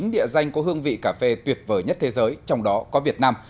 chín địa danh có hương vị cà phê tuyệt vời nhất thế giới trong đó có việt nam